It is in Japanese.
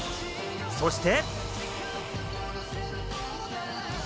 そして。